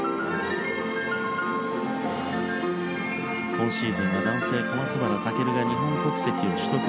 今シーズンは男性小松原尊が日本国籍を取得。